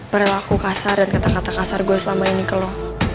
perilaku kasar dan kata kata kasar gue selama ini ke lo